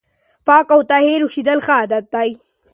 پاک او طاهر اوسېدل ښه عادت دی.